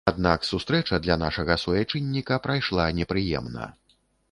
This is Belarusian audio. Аднак сустрэча для нашага суайчынніка прайшла непрыемна.